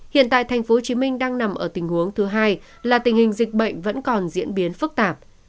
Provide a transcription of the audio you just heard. hiện tại tp hcm đang nằm ở tình huống thứ hai là tình hình dịch bệnh vẫn còn diễn biến phức tạp